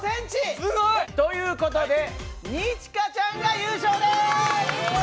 すごい！という事で二千翔ちゃんが優勝です。